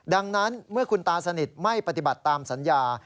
ดังนั้นเมื่อคุณตาสนิทไม่ปฏิบัติตามสัญญา